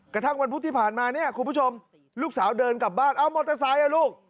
กระทั่งวันพุธที่ผ่านมาเนี่ยคุณผู้ชมลูกสาวเดินกลับบ้านเอามอเตอร์ไซค์อ่ะลูก